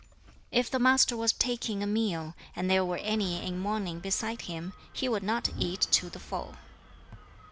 If the Master was taking a meal, and there were any in mourning beside him, he would not eat to the full.